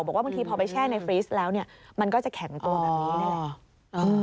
บอกว่าบางทีพอไปแช่ในฟรีสแล้วมันก็จะแข็งตัวแบบนี้